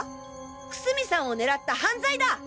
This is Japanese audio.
楠見さんを狙った犯罪だ！